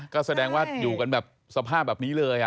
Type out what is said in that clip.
ก็แสดงว่าอยู่กันแบบสภาพแบบนี้เลย